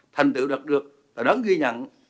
thành tựu đạt được là đáng ghi nhận